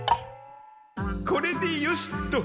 これでよしと。